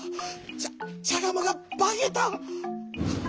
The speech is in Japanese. ちゃちゃがまがばけた！